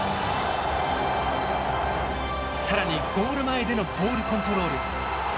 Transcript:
更にゴール前でのボールコントロール。